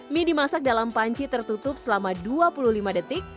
mie dimasak dalam panci tertutup selama dua puluh lima detik